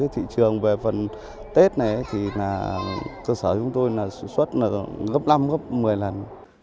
thị trường về phần tết này cơ sở chúng tôi xuất gấp năm gấp một mươi lần